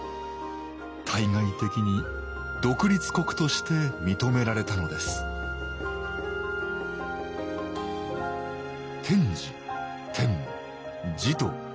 対外的に独立国として認められたのです天智天武持統。